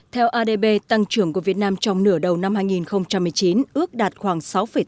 theo adb tăng trưởng của việt nam trong nửa đầu năm hai nghìn một mươi chín ước đạt khoảng sáu tám